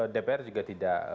dpr juga tidak